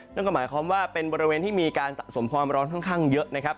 นั่นก็หมายความว่าเป็นบริเวณที่มีการสะสมความร้อนค่อนข้างเยอะนะครับ